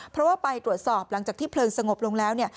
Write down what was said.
เพราะว่าไปตรวจสอบหลังจากที่เพลิงสงบลงแล้วเนี่ย